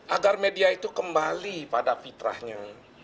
agar media itu kembali pada fitrahnya